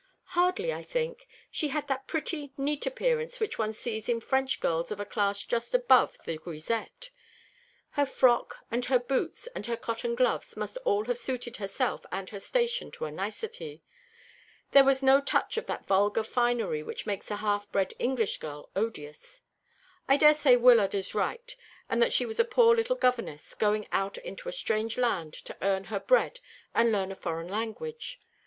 "Hardly, I think. She had that pretty, neat appearance which one sees in French girls of a class just a little above the grisette. Her frock, and her boots, and her cotton gloves must all have suited herself and her station to a nicety. There was no touch of that vulgar finery which makes a half bred English girl odious. I daresay Wyllard is right, and that she was a poor little governess, going out into a strange land to earn her bread and learn a foreign language.